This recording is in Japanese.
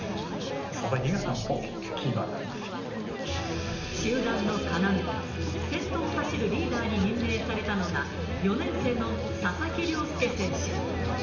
佐々木がもう、キーマンなん集団の要、先頭を走るリーダーに任命されたのが、４年生の佐々木亮輔選手。